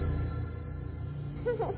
フフフ！